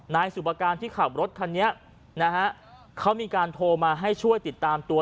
นายสุปการที่ขับรถคันนี้นะฮะเขามีการโทรมาให้ช่วยติดตามตัว